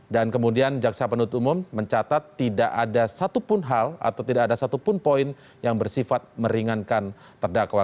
dan kemudian jaksa penuntut umum mencatat tidak ada satupun hal atau tidak ada satupun poin yang bersifat meringankan terdakwa